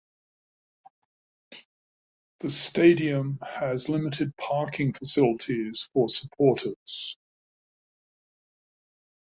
The stadium has limited parking facilities for supporters.